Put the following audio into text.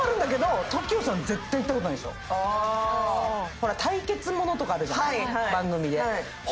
ほらっ対決ものとかあるじゃない番組で。